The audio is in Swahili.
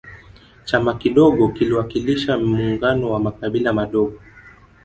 chama kidogo kiliwakilisha muungano wa makabila madogo